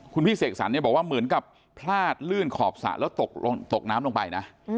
คุณพี่เสกสรรเนี่ยบอกว่าเหมือนกับพลาดลื่นขอบสระแล้วตกน้ำลงไปนะ